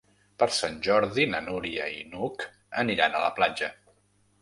Per Sant Jordi na Núria i n'Hug aniran a la platja.